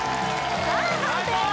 さあ判定は？